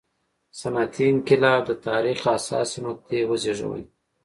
صنعتي انقلاب د تاریخ حساسې مقطعې وزېږولې.